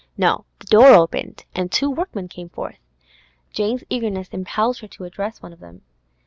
No; the door opened, and two workmen came forth. Jane's eagerness impelled her to address one of them.